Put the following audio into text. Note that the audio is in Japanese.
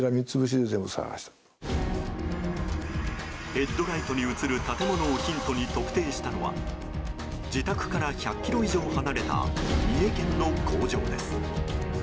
ヘッドライトに映る建物をヒントに特定したのは自宅から１００ｋｍ以上離れた三重県の工場です。